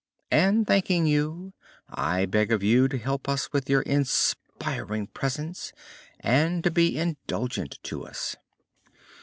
"And, thanking you, I beg of you to help us with your inspiring presence and to be indulgent to us."